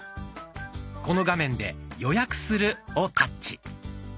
この画面で「予約する」をタッチ。